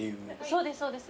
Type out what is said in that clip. そうですそうです。